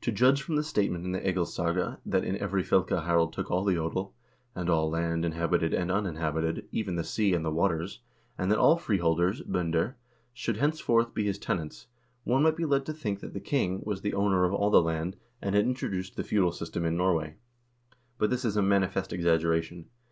To judge from the state ment in the "Egilssaga" that in every fylke Harald took all the odel, and all land, inhabited and uninhabited, even the sea and the waters, and that all freeholders (b0nder) should henceforth be his tenants, one might be led to think that the king was the owner of all the land, and had introduced the feudal system in Norway. But this is a manifest exaggeration.